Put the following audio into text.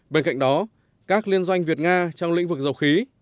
bên cạnh đó các liên doanh việt nga trong lĩnh vực dầu khí